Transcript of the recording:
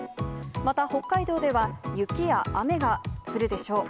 また、北海道では雪や雨が降るでしょう。